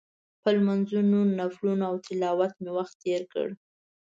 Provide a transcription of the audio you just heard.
په لمونځونو، نفلونو او تلاوت مې وخت تېر کړ.